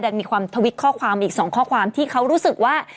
ยังมีความทวิตข้อความอีก๒ข้อความที่เขารู้สึกว่า